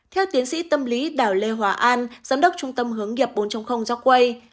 theo tiến sĩ tâm lý đảo lê hòa an giám đốc trung tâm hướng nghiệp bốn jorway